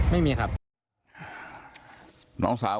ไม่มีครับ